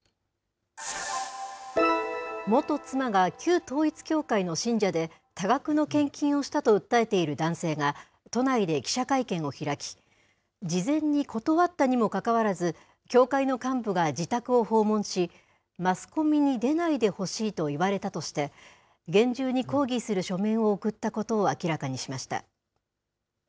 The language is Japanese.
元妻が旧統一教会の信者で、多額の献金をしたと訴えている男性が、都内で記者会見を開き、事前に断ったにもかかわらず、教会の幹部が自宅を訪問し、マスコミに出ないでほしいと言われたとして、厳重に抗議する書面を送ったことを明らかにしました。